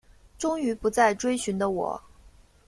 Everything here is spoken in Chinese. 终于不再追寻的我